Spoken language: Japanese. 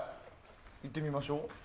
行ってみましょう。